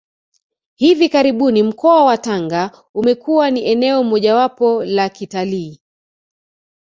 Hivi karibuni mkoa wa Tanga umekuwa ni eneo mojawapo la kitalii